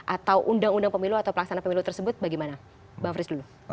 atau undang undang pemilu atau pelaksana pemilu tersebut bagaimana